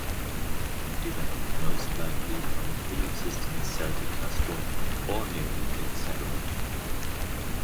It developed most likely from a preexistent Celtic Castro, or Neolithic settlement.